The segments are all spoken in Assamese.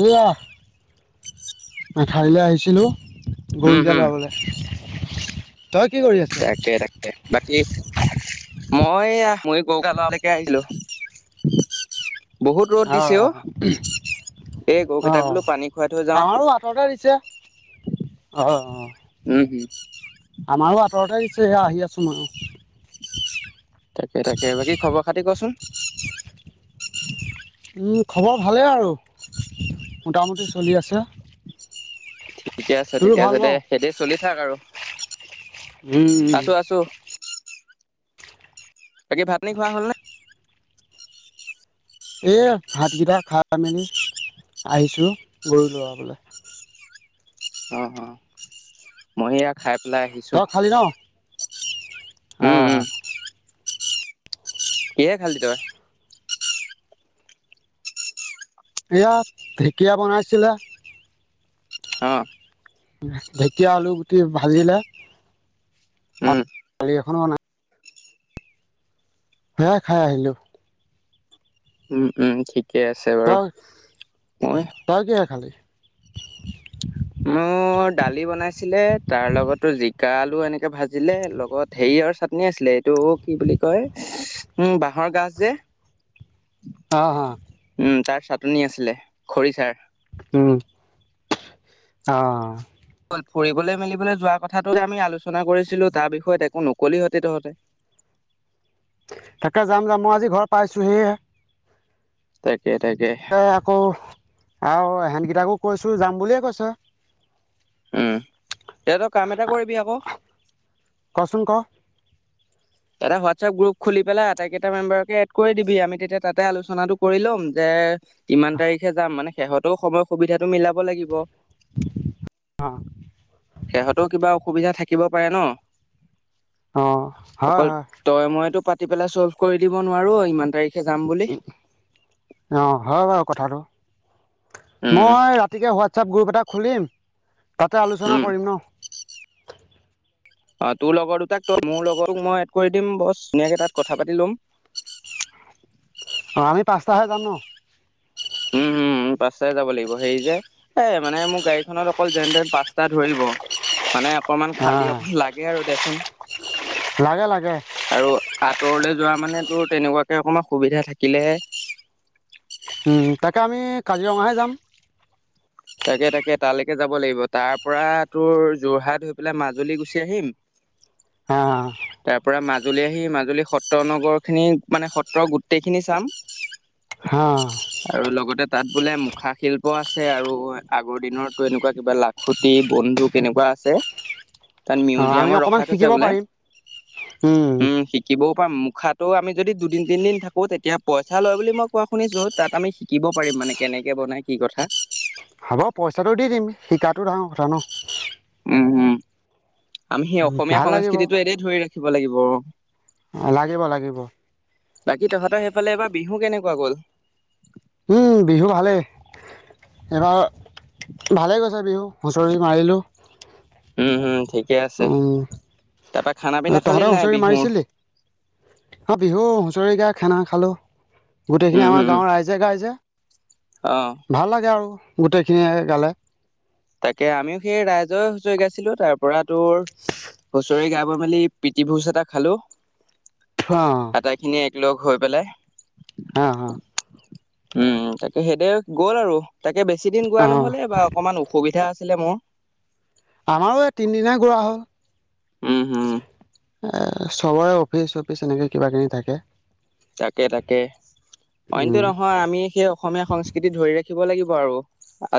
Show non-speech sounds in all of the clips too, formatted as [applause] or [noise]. এয়া এঠাৰলৈ আহিছিলো উম গৰুকেইটা হুম লৰাবলে। তাকে তাকে বাকী মই এইয়া গৰুগা লৰালৈকে আহিছিলো। বহুত ৰ'দ দিছে অ অহ এই গৰুকেইটাক অহ উ বোলো অ পানী খুৱাই থৈ যাওঁ আমাৰো হাততে দিছে অহ, উম হম আমাৰো ওচৰতে দিছে, সেয়া আহি আছোঁ মানুহ তাকে, তাকে। বাকী খবৰ-খাতি কচোন। খবৰ ভালেই আৰু মোটামুটি চলি আছে। ঠিকে আছে, তোৰো ঠিকে ভাল আছে ন দে। তেতিয়া চলি থাক আৰু। উম। আছো আছো বাকী ভাত-পানী খোৱা হ'ল নে? এ ভাতকেইটা খাই-মেলি, আহিছো গৰু ভৰাবলে অ' অ' মই এয়া খাই পেলাই আহিছোঁ। তই খালি ন অ'। কিহেৰে খালি তই? এয়া ঢেঁকীয়া বনাইছিলে। অ' ঢেকীয়া আলু গুটি ভাজিলে, আৰু উম দালি এখন বনাইছিলে। সেয়াই খাই আহিলো। উম উম, ঠিকেই আছে বাৰু। তই মই তই কিহে খালি মোৰ দালি বনাইছিলে, তাৰ লগতো জিকা-আলু এনেকে ভাজিলে। লগত হেৰি য়ৰ চাটনি আছিলে, এইটো কি বুলি কয় উম, বাঁহৰ গাজ যে অ' অ'। উম তাৰ চাটনি আছিলে, খৰিচাৰ উম। অ'। ফুৰিবলৈ-মেলিবলৈ যোৱা কথাটো আমি যে আলোচনা কৰিছিলো, তাৰ বিষয়ত একো নকলিহঁতে তহঁতে! তাকে যাম যাম। মই আজি ঘৰ পাইছোঁহিহে। [unintelligible] আকৌ, আৰু এহেতকেইটাকো কৈছোঁ যাম বুলিয়ে কৈছে। উম এ তই কাম এটা কৰিবি আকৌ! কচোন ক এটা হোৱাটছএপ গ্ৰুপ খুলি পেলাই আটাইকেইটা মেম্বাৰকে এড কৰি দিবি। আমি তেতিয়া তাতে আলোচনাটো কৰি ল'ম যে ইমান তাৰিখে যাম মানে, সেহঁতও সময়-সুবিধাটো মিলাব লাগিব। অঁ সিহঁতৰো কিবা অসুবিধা থাকে কিব পাৰে ন? অ'। অকল তই-মইতো পাতি পেলাই চল্ভ কৰি দিব নোৱাৰো, ইমান তাৰিখ উ, অ' হয় বাৰু কথাটো। উম মই ৰাতিকে হোৱাটছআপ গ্ৰুপ এটা খুলিম, তাতে আলোচনা উম কৰিম ন? অ' তোৰ লগৰ দুটাক ত মোৰ লগৰটোক মই এড কৰি দিম, বছ ধুনীয়াকে তাত কথা পাতি ল'ম। অ' আমি পাঁচটাহে যাম ন? উম উম। উম পাঁচটাই যাব লাগিব। সেই যে এ মানে মোৰ গাড়ীখনত অকল যেন-তেন পাঁচটা ধৰিব। মানে অকমান খালী অকন লাগে আৰু দেচোন। লাগে লাগে। দূৰলৈ যোৱা মানেতো তেনেকুৱাকে অকণমান সুবিধা থাকিলেহে। তাকে আমি কাজিৰঙাহে যাম। তাকে তাকে, তালৈকে যাব লাগিব তাৰ পৰা তোৰ যোৰহাট হৈ পেলাই মাজুলী গুচি আহিম। হা হা। তাৰ পৰা মাজুলী আহি মাজুলী সত্ৰ নগৰখিনি মানে সত্ৰ গোটেইখিনি চাম। অঁ আৰু লগতে তাত বোলে মুখা শিল্প আছে, আৰু। আগৰ দিনৰতো এনেকুৱা কিবা লাখুটি, বন্দুক এনেকুৱা আছে। তাত আমি মিউজিয়ামত অকণমান ৰখাই থৈছে শিকিব বোলে, পাৰিম উম শিকিবও মুখাটো আমি যদি দুদিন-তিনদিন থাকো, তেতিয়া পইচা লয় বুলি মই কোৱা শুনিছো। তাত আমি শিকিব পাৰিব। মানে কেনেকে বনায়? কি কথা! হ'ব পইচাটো দি দিম, শিকাটো ডাঙৰ কথা ন! উম উম। আমি সেই অসমীয়া ভাল লাগিব সংস্কৃতিটো এদই ধৰি ৰাখিব লাগিব। লাগিব লাগিব বাকী তহঁতৰ সেইফালে এবাৰ বিহু কেনেকুৱা গ'ল। উম বিহু ভালেই এইবাৰ ভালেই গৈছে বিহু। হুচৰি মাৰিলোঁ। উম হম ঠিকে আছে তাৰাপা খানা পিনা খালি নাই বিহুৰ। অ বিহু হুঁচৰি গাই খানা খালোঁ গোটেইখিনি উম আমাৰ হম গাঁৱৰ ৰাইজে গাইজে অ ভাল লাগে আৰু। গোটেইখিনিয়ে গালে। তাকে আমিও সেই ৰাইজৰে হুঁচৰি গাইছিলো তাৰ পৰা তোৰ হুঁচৰি গাব মেলি ৰাতি ভোজ এটা খালো অঁ আটাই খিনি একেলগ হৈ পেলাই। অঁ উম তাকে সেইদৰে গ'ল আৰু। তাকে বেছি দিন গোৱা অঁ অঁ নহ'লে বা অকণমান ওখ- আছিলে মোৰ। আমাৰো এইয়াত তিনদিনেই গোৱা হ'ল। উম হুম। এ চবৰে অফিচ চফিচ এনেকে কিবা কিবি থাকে। তাকে তাকে অইনটো উম নহয় আমি সেই অসমীয়া সংস্কৃতি ধৰি ৰাখিব লাগিব। আৰু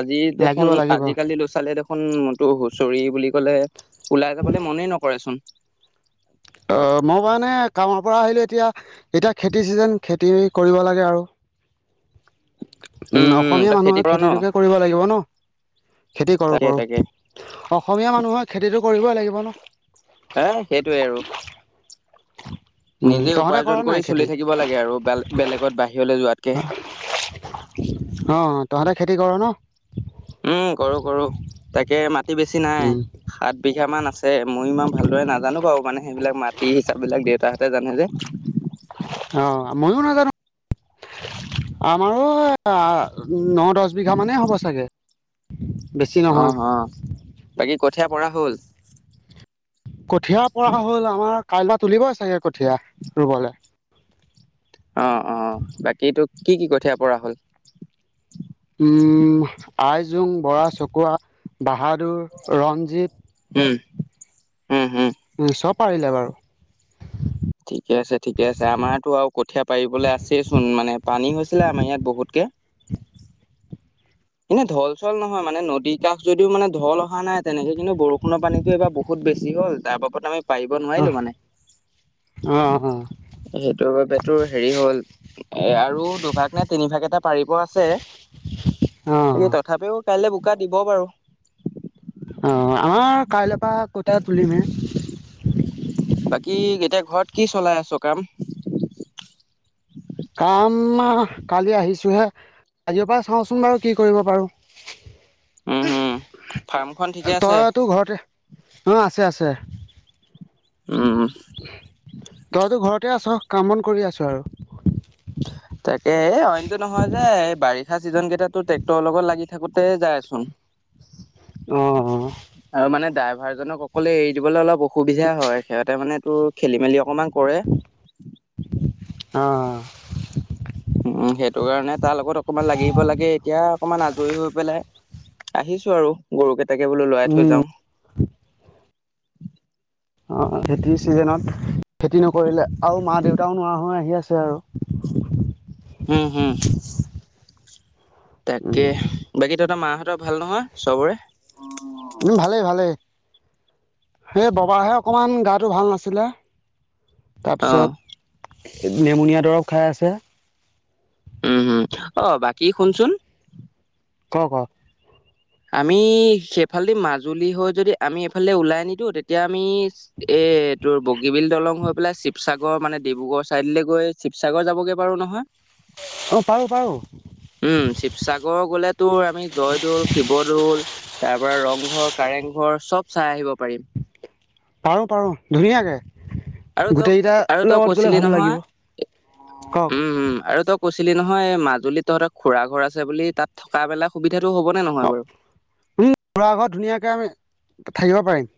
আজি লাগিব দেখোন লাগিব আজিকালি ল'ৰা ছোৱালীয়ে দেখোন মনতো হুচৰি বুলি ক'লে। ওলাই যাবলে মনেই নকৰে চোন। অ মই মানে কামৰ পৰা আহিলো এতিয়া এতিয়া খেতি চিজন খেতি কৰিব লাগে আৰু। উম অসমীয়া তই খেতি মানুহৰ কৰ ন খেতিটোকে কৰিব লাগিব ন। খেতি কৰোঁ তাকে কৰোঁ তাকে অসমীয়া মানুহৰ খেতিটো কৰিবই লাগিব ন। হ সেইটোৱে আৰু। [unintelligible] নিজে তহঁতে কৰ উপাৰ্জন নাই কৰি চলি খেতি থাকিব লাগে আৰু বেলেগত বাহিৰলৈ যোৱাতকে। অ তহঁতে খেতি কৰ ন। উম কৰো কৰো তাকে মাটি বেছি নাই। উম সাত বিঘা মান আছে মই ইমান ভালদৰে নাজানো বাৰু মানে সেইবিলাক মাটি হিচাপ বিলাক দেউতা হে- ত যানে যে। অ [unintelligible] আমাৰো ন দহ বিঘা মানেই হ'ব চাগে। বেছি নহয় অহ অহ বাকী কঠীয়া পৰা হ'ল। কঠিয়াৰ পৰা হ'ল আমাৰ কাইলবা তুলিবই চাগে কঠীয়া ৰুবলৈ। অ অ বাকীটো কি কি কঠীয়া পৰা হ'ল। উ আই জং, বৰা চকুৱা বাহাগ। টো ৰঞ্জিত। উম উম চব পাৰিলে বাৰু। ঠিকে আছে ঠিকে আছে আমাৰতো আৰু কঠীয়াা পাৰিবলৈ আছেইচোন মানে পানী হৈছিলে আমাৰ ইয়াত বহুতকে। কে। এনে ঢল চল নহয় মানে নদী কাষ যদিও মানে ঢল অহা নাই তেনেকে কিন্তু বৰষুণৰ পানীতো এইবাৰ বহুত বেছি হ'ল তাৰ বাবদ আমি পাৰিব অ নোৱাৰিলো মানে অ অ সেইটোৰ বাবে তোৰ হেৰি হ'ল এ আৰু দুভাগ নে তিনি ভাগ এটা পাৰিব আছে। অ এ তথাপিও কাইলে বোকা দিব বাৰু। অ আমাৰ কাইলৈ বাকী এতিয়া ঘৰত কি চলাই আছ সকাম মা কালি আহিছোহে আজিৰ পৰা চাওঁচোন বাৰু কি কৰিব পাৰো উম হম ফাৰ্মখন ঠিকে আছে তই তো ঘৰতে অ আছে আছে উম তইতো ঘৰতে আছ। কামবন কৰি আছোঁ আৰু তাকে এই অইনতো নহয় যে এই বাৰিষা চিজন কেইটাতো ট্ৰেক্টৰৰ লগত লাগি থাকোতে যায়চোন। আহ ডভাৰজনক অকলে এৰি দিবলৈ অলপ অসুবিধা হয় সিহঁতে মানে তটো খেলি মেলি অকণমান কৰে। অ উম সেইটো কাৰণে তাৰ লগত অকমান লাগিব লাগে এতিয়া অকমান আজৰি হৈ পেলাই আহিছো আৰু গৰু কেইটাকে বোলো লৰাই থৈ উম, যাও অ খেতি চিজনত খেতি নকৰিলে আৰু মা দেউতাও নোৱা হৈ আহি আছে আৰু উম হম তাকে উম। বাকী ত তৰ মাহঁতৰ ভাল নহয় চবৰে? উম ভালেই ভালেই। হেই ববাহে অকমান গাটো ভাল নাছিলে। অ তাৰপিছত নেমনীয়া দৰৱ খাই আছে। উম হম আহ বাকী শুনচোন। ক ক আমি সেইফালেদি মাজুলী হৈ যদি আমি এইফালে ওলাই নিদিওঁ তেতিয়া আমি এ এ তোৰ বগীবিল দলং হৈ পেলাই শিৱসাগৰ মানে ডিব্ৰুগড়ৰ ছাইডলৈ গৈ শিৱসাগৰ যাবগে পাৰো নহয়। অ', পাৰো পাৰো উম শিৱসাগৰ গলে তো আমি জয়দৌল ল তাৰ পৰা ৰংঘৰ কাৰেং ঘৰ চব চাই আহিব পাৰিম। পাৰো পাৰো আৰু ধুনীয়াকে তই আৰু গোটেইকেইটাৰ তই লগত গলে কৈছিলি ভাল নহয় লাগিব ক ক ত কৈছিলি নহয় মাজুলীত তহঁতৰ খুৰা ঘৰ আছে বুলি তাত থকা বেলা সুবিধাটো হ'বনে নহয় বাৰু উ ঘুৰা ঘৰত ধুনীয়াকে আমি থাকিব পাৰিম।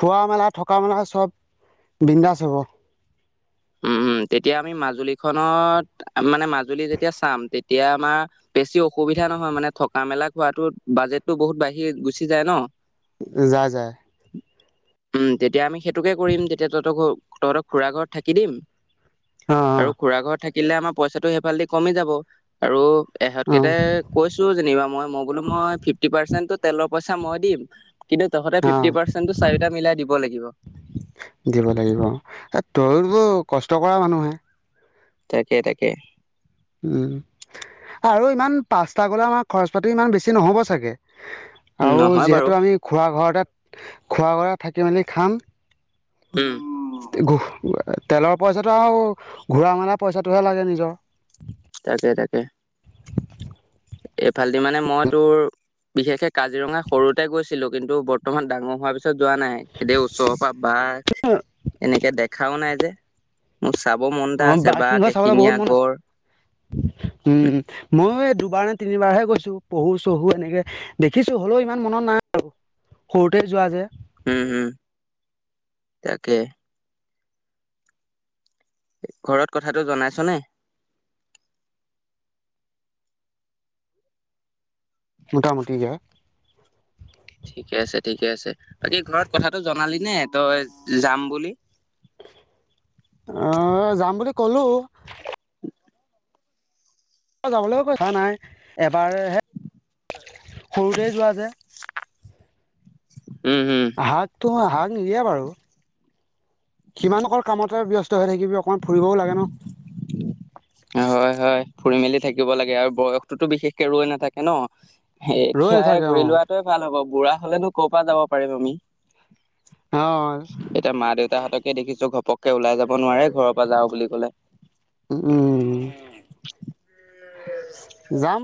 খোৱা মেলা থকা মেলা চব বিন্দাজ হ'ব। উম, [inaudible] উম, তেতিয়া আমি মাজুলী খত মানে মাজুলী যেতিয়া চাম তেতিয়া আমাৰ বেছি অসুবিধা সা নহয় মানে থকা মেলা খোৱাাতো বাজেটো বহুত বাঢ়ি গুচি যায় ন। যায় যায়। উম তেতিয়া আমি সেইটোকে কৰিম তেতিয়া তহঁতৰ ঘ তহঁতৰ খুৰা ঘৰত থাকি দিম। অ', আৰু খুৰা ঘৰত থাকিলে আমাৰ পইচাটো সেইফালেদি কমি যাব আৰু অ', এহঁতকেই অ', কৈছো যেনিবা মই মই বোলো মই ফিফটি পাৰ্চেন্টটো তেলৰ পইচা মই দিম। কিন্তু তহঁতে অ'। ফিফটি পাৰ্চেটো চাৰিটা মিলাই দিব লাগিব। দিব লাগিব এ তয়তো কষ্ট কৰা মানুহে তাকে তাকে উম আৰু ইমান পাঁচটা গলে আমাৰ খৰচ পাতি ইমান বেছি নহ'ব চাগে। আৰু নহয় বাৰু যিহেতু আমি খোৱা ঘৰতে খোৱা ঘ থাকি মেলি খাম। উম তেলৰ পইচাটো আৱ ঘূৰা মেলা পইচাটোহে লাগে নিজৰ তাকে তাকে এইফালেদি মানে মই তোৰ বিশেষকে কাজিৰঙা সৰুতে গৈছিলোঁ কিন্তু বৰ্তমান ডাঙৰ হোৱাৰ পিছত যোৱা নাই এনে ওচৰৰ পৰা বাঘ এনেকে দেখাও নাই যে ম অ বাঘ সিংহ চাবলৈ বহুত মন আছে। উম মইও দুবাৰ নে তিনিবাৰ হে গৈছো পহু-চহু এনেকে দেখিছঁ হলেও ইমান মনত নাই আৰু সৰুতে যোৱা যে। উম হম তাকে ঘৰত কথাটো জনাইছ নে? মোটামুটিকে। ঠিকে আছে ঠিকে আছে বাকী ঘৰত কথাটো জনালি নে তই যাম বুলি অ ক'লোঁ যাবলৈও কৈ থোৱা নাই এবাৰ হে সৰুতে যোৱা যে উম হম শাকটো শাক নিদিয়ে বাৰু কিমান অকল কামতে ব্যস্ত হৈ থাকিবি অকণমান ফুৰিবও লাগে ন হয় হয় ফুৰি মেলি থাকিব লাগে আৰু বয়সটোতো বিশেষকে ৰৈ নাথাকে ন ৰৈ এতিয়াই নাথাকে অ ঘূৰি লোৱাটোৱে ভাল হ'ব বুঢ়া হ'লেনো ক'ৰ পৰা যাব পাৰিম আমি অ এতিয়া মা দেউতাহঁতকে দেখিছোঁ ঘ পকে ওলাই যাব নোৱাৰে ঘৰৰ পৰা যাওঁ বুলি ক'লে উম যাম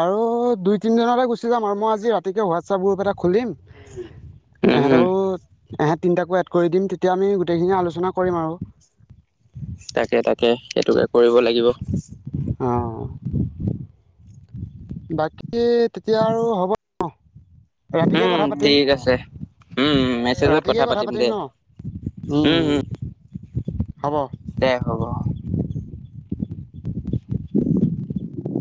আৰু দুই তিনি দিনটে গুচি যাম আৰু মই আজি ৰাতিকে ৱাটছাপ গ্ৰুপ এটা খুলিম উম হুম এহেঁতকো এহে‍ঁত তিনটাকো এড কৰি দিম তেতিয়া আমি গোটেইখিনিয়ে আলোচনা কৰিম আৰু তাকে তাকে সেইটোকে কৰিব লাগিব অঁ, বাকী তেতিয়া আৰু হ'ব ন ৰাতিকে উম কথা পাতিম, ঠিক আছে উম মেছেজত ৰাতিকে কথা পাতিম দে ন উম উম দে হ'ব